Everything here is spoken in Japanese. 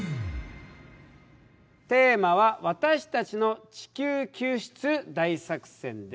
テーマは「私たちの地球救出大作戦」です。